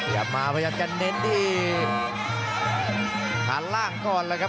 ยัมมาก็จะเน้นที่ด้านล่างก่อนแล้วครับ